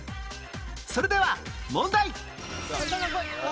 それでは問題